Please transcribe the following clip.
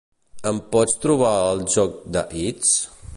Em pots trobar el joc The Hits?